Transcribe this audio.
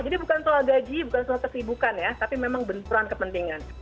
jadi bukan soal gaji bukan soal kesibukan ya tapi memang benturan kepentingan